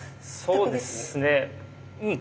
そうですねうん。